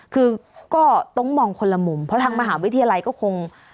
คือก็ต้องมองคนละมุมเพราะทางมหาวิทยาลัยก็คง